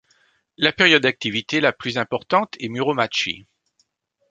La période d'activité la plus importante est Muromachi.